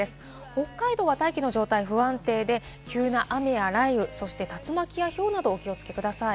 北海道は大気の状態が不安定で、急な雨や雷雨、そして竜巻やひょうなど、お気をつけください。